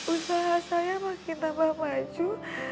usaha saya makin tambah maju